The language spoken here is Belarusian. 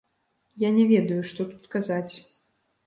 Я не ведаю, што тут казаць.